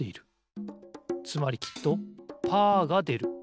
つまりきっとパーがでる。